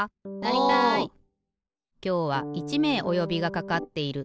きょうは１めいおよびがかかっている。